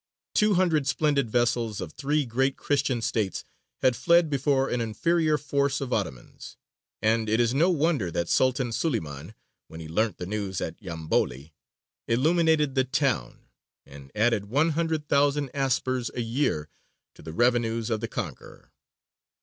Two hundred splendid vessels of three great Christian states had fled before an inferior force of Ottomans; and it is no wonder that Sultan Suleymān, when he learnt the news at Yamboli, illuminated the town, and added one hundred thousand aspres a year to the revenues of the conqueror.